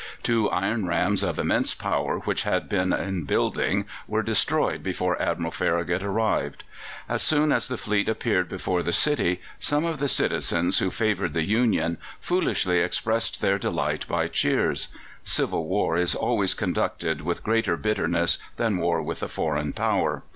Two iron rams of immense power which had been in building were destroyed before Admiral Farragut arrived. As soon as the fleet appeared before the city some of the citizens who favoured the Union foolishly expressed their delight by cheers. Civil war is always conducted with greater bitterness than war with a foreign Power.